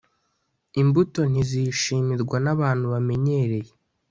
Imbuto ntizishimirwa na bantu bamenyereye